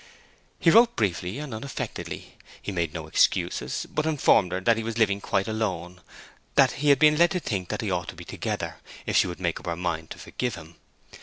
He wrote briefly and unaffectedly; he made no excuses, but informed her that he was living quite alone, and had been led to think that they ought to be together, if she would make up her mind to forgive him.